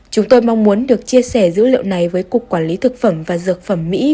chúng tôi mong muốn được chia sẻ dữ liệu này với cục quản lý thực phẩm và dược phẩm mỹ